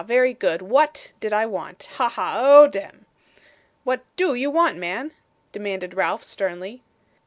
Very good. WHAT did I want. Ha, ha. Oh dem!' 'What DO you want, man?' demanded Ralph, sternly.